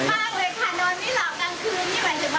แบบเนี้ยต้องนั่งดูว่าถุงมันจะร้อนก็คือต้องเปิดประตูระบาย